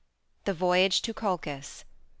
The Voyage to Colchis I.